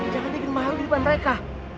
ibu jangan bikin mahal kehidupan mereka